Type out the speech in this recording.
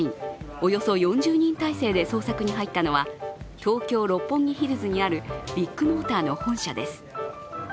およそ４０人態勢で捜索に入ったのは東京・六本木ヒルズにあるビッグモーターの本社です。